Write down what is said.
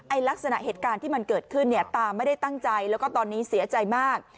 ลักษณะเหตุการณ์ที่มันเกิดขึ้นเนี่ยตาไม่ได้ตั้งใจแล้วก็ตอนนี้เสียใจมาก